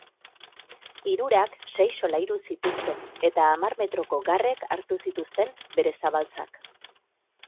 Hirurak sei solairu zituzten eta hamar metroko garrek hartu zituzten bere zabaltzak.